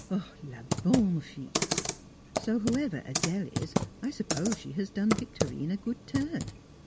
Oh! la bonne fille!" So whoever "Adèle" is, I suppose she has done Victorine a good turn.